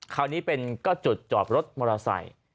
คราวนี้เป็นก็จุดจอดรถมอเตอร์ไซค์